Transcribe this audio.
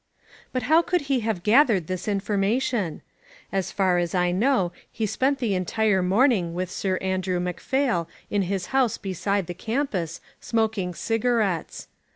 But how could he have gathered this information? As far as I know he spent the entire morning with Sir Andrew Macphail in his house beside the campus, smoking cigarettes.